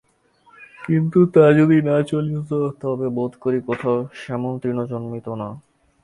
কিন্তু তা যদি না চলিত, তবে বোধ করি কোথাও শ্যামল তৃণ জন্মিত না।